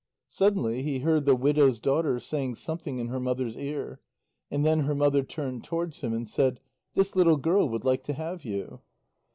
Suddenly he heard the widow's daughter saying something in her mother's ear, and then her mother turned towards him and said: "This little girl would like to have you."